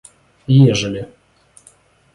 ежели